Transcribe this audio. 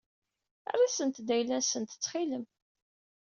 Err-asent-d ayla-nsent ttxil-m.